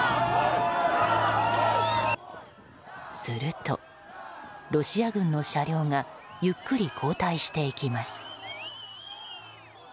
すると、ロシア軍の車両がゆっくり後退していきます。